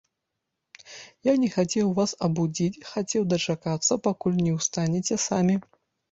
Я не хацеў вас абудзіць, хацеў дачакацца, пакуль не ўстанеце самі.